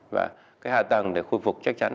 và cái hạ tầng để khôi phục chắc chắn